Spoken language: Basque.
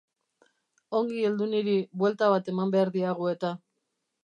Ongi heldu niri, buelta bat eman behar diagu eta.